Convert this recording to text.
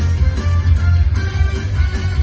สวัสดีครับ